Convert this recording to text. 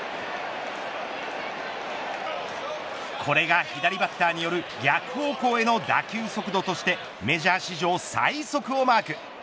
これが、左バッターによる逆方向への打球速度としてメジャー史上最速をマーク。